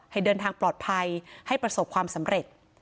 ให้เดินทางปลอดภัยให้ประสบความสำเร็จ